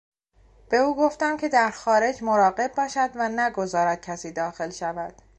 به او گفتم که در خارج مراقب باشد و نگذارد کسی داخل شود.